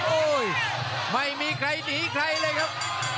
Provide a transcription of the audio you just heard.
โอ้โหไม่มีใครหนีใครเลยครับ